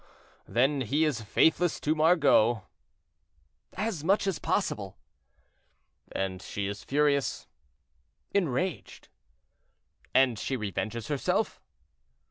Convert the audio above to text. "Then he is faithless to Margot?" "As much as possible." "And she is furious?" "Enraged." "And she revenges herself?"